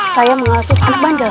saya mengasuh anak bandel itu